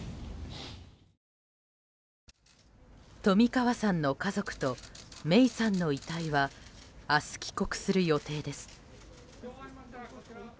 冨川さんの家族と芽生さんの遺体は明日、帰国する予定です。